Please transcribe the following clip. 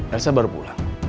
elsa baru pulang